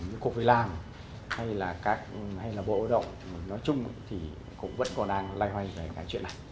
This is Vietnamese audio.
những cuộc việc làm hay là bộ ưu động nói chung thì cũng vẫn còn đang lai hoay về cả chuyện này